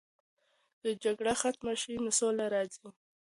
که جګړه ختمه سي سوله راځي.